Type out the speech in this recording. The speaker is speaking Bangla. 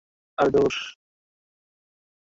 হিন্দা বিনোদনের সকল ব্যবস্থা সুসম্পন্ন করে রাখে।